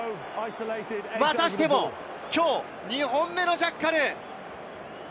またしても、きょう２本目のジャッカル！